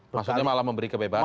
maksudnya malah memberi kebebasan